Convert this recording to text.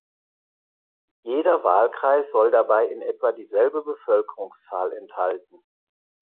Jeder Wahlkreis soll dabei in etwa dieselbe Bevölkerungszahl enthalten.